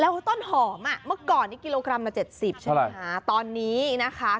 แล้วต้นหอมอ่ะเมื่อก่อนนี้กิโลกรัมละ๗๐ใช่ไหมคะตอนนี้นะคะ